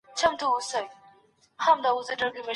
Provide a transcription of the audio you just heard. د اقتصادي او غیر اقتصادي شرایطو ترمنځ څه توپیر دی؟